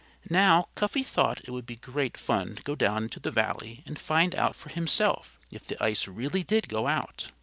Now, Cuffy thought it would be great fun to go down into the valley and find out for himself if the ice really did go out.